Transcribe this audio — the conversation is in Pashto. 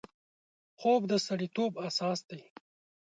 خوب د سړیتوب اساس دی